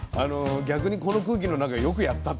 逆にこの空気の中よくやったって。